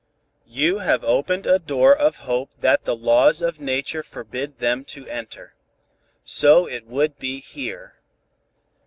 You have opened a door of hope that the laws of nature forbid them to enter. So it would be here.